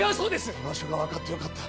居場所が分かってよかった